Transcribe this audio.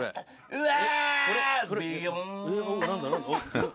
うわ！